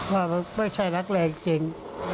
ว่ามันไม่ใช่นักเลงจริง